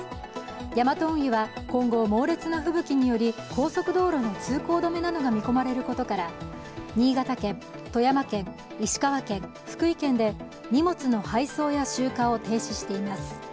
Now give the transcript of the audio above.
ヤマト運輸は今後、猛烈な吹雪により高速道路の通行止めなどが見込まれることから新潟県、富山県、石川県、福井県で荷物の配送や集荷を停止しています。